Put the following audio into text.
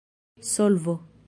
solvo